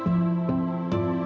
saya mau jalan